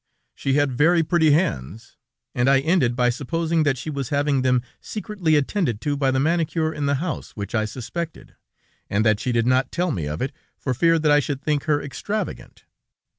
She had very pretty hands, and I ended by supposing that she was having them secretly attended to by the manicure in the house which I suspected, and that she did not tell me of it, for fear that I should think her extravagant.